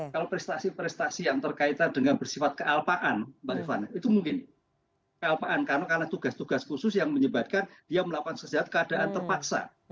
kalau prestasi prestasi yang terkaitan dengan bersifat kealpaan mbak rifana itu mungkin kealpaan karena tugas tugas khusus yang menyebabkan dia melakukan sesuatu keadaan terpaksa